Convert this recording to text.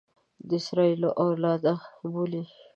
د اسراییلو اولاده بولي.